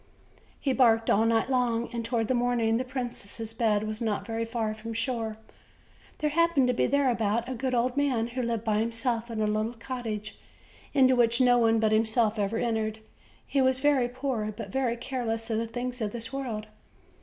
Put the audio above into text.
He barked all night long, and toward the morning the princess' bed was not very far from the shore. There happened to be thereabout a good old man, who lived by himself in a little cottage, into which no one but him self ever entered; he was very poor, but very careless of the things of this world.